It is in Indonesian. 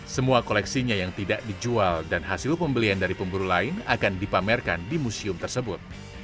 semua koleksinya yang tidak dijual dan hasil pembelian dari pemburu lain akan dipamerkan di museum tersebut